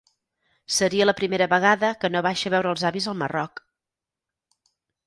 Seria la primera vegada que no baixa a veure els avis al Marroc.